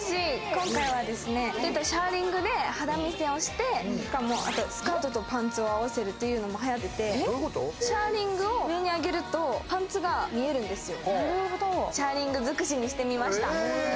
今回はシャーリングで肌見せをしてあとスカートとパンツを合わせるというのもはやっていて、シャーリングを上に上げるとパンツが見えるんですよ。